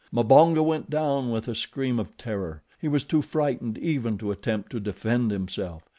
Mbonga went down with a scream of terror. He was too frightened even to attempt to defend himself.